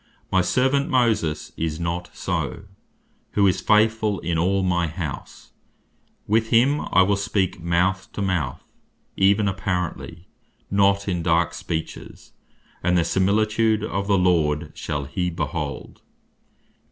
My servant Moses is not so, who is faithfull in all my house; with him I will speak mouth to mouth, even apparently, not in dark speeches; and the similitude of the Lord shall he behold."